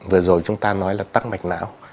vừa rồi chúng ta nói là tắc mạch não